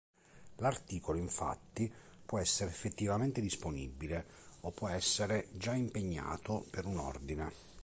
L'articolo, infatti, può essere effettivamente disponibile o può essere già impegnato per un ordine.